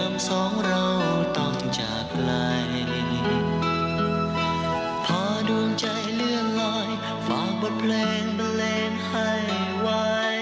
ค่ะ